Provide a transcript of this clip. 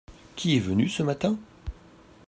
Qui est venu ce matin ?